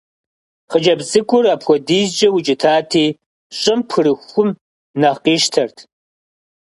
Хъыджэбз цӀыкӀур апхуэдизкӀэ укӀытати, щӀым пхырыхум нэхъ къищтэрт.